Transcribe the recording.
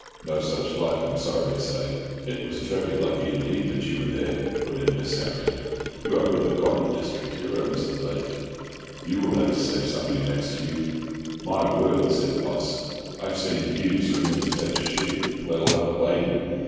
"No such luck, I'm sorry to say." "It was very lucky, indeed—that you were there," put in Miss Harriott. "You are really quite the district hero, Mr. Blake. You will have to save somebody next, Hugh." "My word," said Poss, "I've seen Hugh swim in to fetch a sheep, let alone a lady.